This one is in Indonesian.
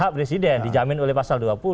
hak presiden dijamin oleh pasal dua puluh